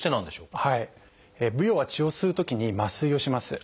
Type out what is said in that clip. ブヨは血を吸うときに麻酔をします。